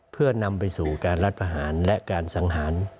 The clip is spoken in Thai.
เพื่อนำไปสู่การรัฐประหารและการสังหาร